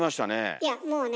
いやもうね